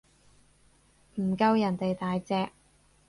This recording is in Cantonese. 唔夠人哋大隻